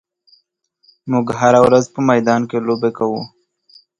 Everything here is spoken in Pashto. موږ هره ورځ په میدان کې لوبې کوو.